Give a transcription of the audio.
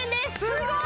すごい！